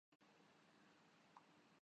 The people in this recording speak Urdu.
یہ صرف رجسٹرڈ مدارس کا ذکر ہے۔